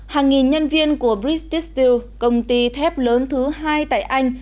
hàng nghìn nhân viên của british steel công ty thép lớn thứ hai tại anh